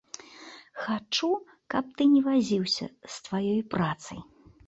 Хачу, каб ты не вазіўся з тваёй працай.